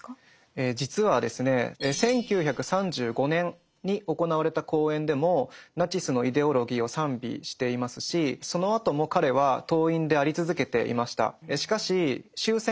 実はですね１９３５年に行われた講演でもナチスのイデオロギーを賛美していますしそのあとも彼は党員であり続けていました。